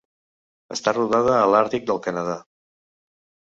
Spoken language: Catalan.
Està rodada a l'àrtic del Canadà.